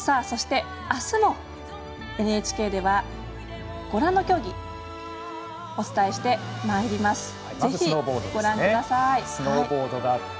そして、あすもＮＨＫではご覧の競技お伝えしてまいります。